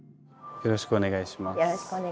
よろしくお願いします。